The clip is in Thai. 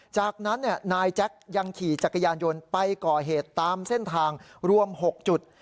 จากนั้นนายแจ็คยังขี่จักรยานยนต์ไปก่อเหตุตามเส้นทางรวม๖จุด